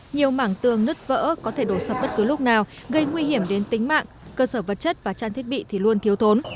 nhiều mảng tường nứt vỡ có thể đổ sập bất cứ lúc nào gây nguy hiểm đến tính mạng cơ sở vật chất và trang thiết bị thì luôn thiếu thốn